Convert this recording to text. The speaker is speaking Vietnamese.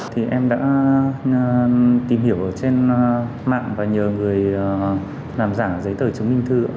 thì em đã tìm hiểu trên mạng và nhờ người làm giả giấy tờ chứng minh thư